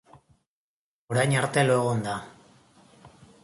Orain arte lo egon da.